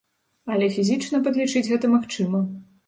Але фізічна падлічыць гэта магчыма.